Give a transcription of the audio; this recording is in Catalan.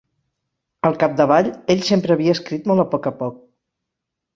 Al capdavall, ell sempre havia escrit molt a poc a poc.